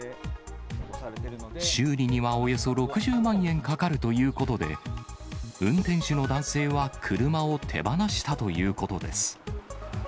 修理にはおよそ６０万円かかるということで、運転手の男性は車を手放したということです。